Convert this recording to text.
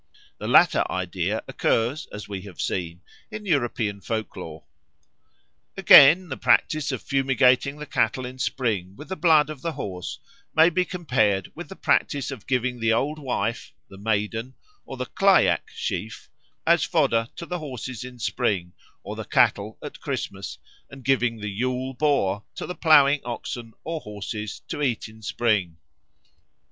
The latter idea occurs, as we have seen, in European folk lore. Again, the practice of fumigating the cattle in spring with the blood of the horse may be compared with the practice of giving the Old Wife, the Maiden, or the clyack sheaf as fodder to the horses in spring or the cattle at Christmas, and giving the Yule Boar to the ploughing oxen or horses to eat in spring.